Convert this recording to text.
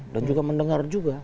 dan juga mendengar juga